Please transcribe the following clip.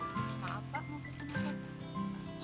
maaf pak mau kesini